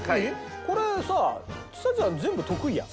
これさちさちゃん全部得意やん。